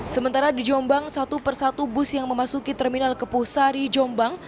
sementara di jombang satu persatu bus yang memasuki terminal kepuh sari jombang